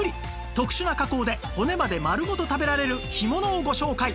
特殊な加工で骨まで丸ごと食べられる干物をご紹介